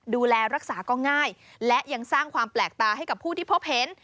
ดูแลรักษาก็ง่ายและยังสร้างความแปลกตาให้กับผู้ที่พบเห็น